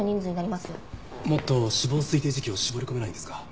もっと死亡推定時期を絞り込めないんですか？